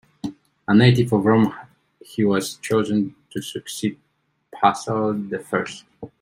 A native of Rome, he was chosen to succeed Paschal the First.